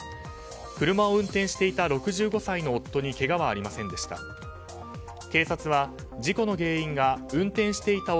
車を運転していた６５歳の夫にけがはありませんでした。